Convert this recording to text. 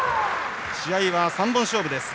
試合は３本勝負です。